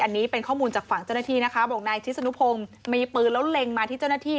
อันนี้เป็นข้อมูลจากฝั่งเจ้าหน้าที่นะคะบอกนายชิสนุพงศ์มีปืนแล้วเล็งมาที่เจ้าหน้าที่